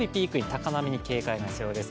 高波に警戒が必要です。